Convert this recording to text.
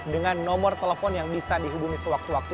dengan nomor telepon yang bisa dihubungi sewaktu waktu